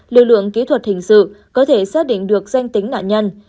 lực lượng kỹ thuật hình sự có thể xác định được danh tính nạn nhân